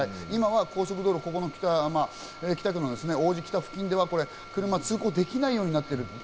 今は高速道路、王子北付近では通行できないようになっている。